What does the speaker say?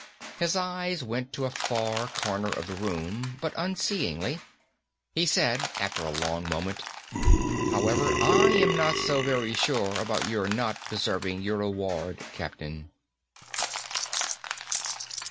His eyes went to a far corner of the room, but unseeingly. He said after a long moment, "However, I am not so very sure about your not deserving your award, Captain."